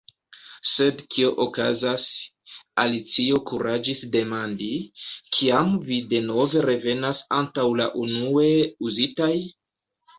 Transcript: "Sed kio okazas," Alicio kuraĝis demandi, "kiam vi denove revenas antaŭ la unue uzitaj?"